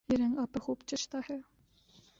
یہ رنگ آپ پر خوب جچتا ہے